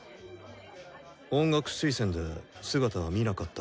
音楽推薦で姿は見なかったが。